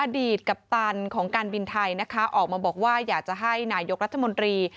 อดีตกัปตันของการบินไทยนะคะออกมาบอกว่าอยากจะให้นายกรัฐมนตรี